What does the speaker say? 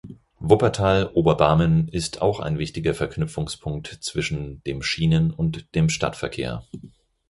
Wuppertal-Oberbarmen ist auch ein wichtiger Verknüpfungspunkt zwischen dem Schienen- und dem Stadtverkehr.